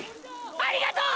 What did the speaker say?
ありがとう！！